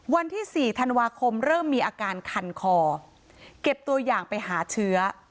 วันที่๔ธันวาคมเริ่มมีอาการคันคอเก็บตัวอย่างไปหาเชื้อ